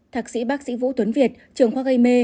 thạc sĩ bác sĩ vũ tuấn việt trường khoa gây mê